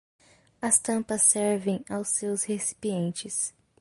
As tampas servem aos seus recipientes